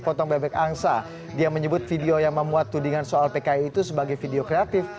fadli zon menyebut video yang memuat tudingan soal pki itu sebagai video kreatif